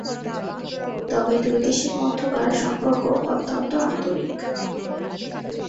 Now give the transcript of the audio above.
তবে দুই দেশের মধ্যকার সম্পর্ক অত্যন্ত আন্তরিক।